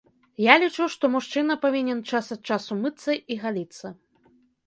Я лічу, што мужчына павінен час ад часу мыцца і галіцца.